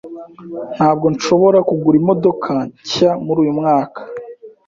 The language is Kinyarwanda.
Ntabwo nshobora kugura imodoka nshya muri uyu mwaka.